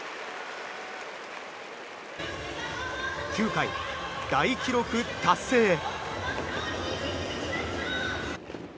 ９回、大記録達成へ。